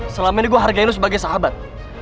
selama ini gue hargai lo sebagai sahabat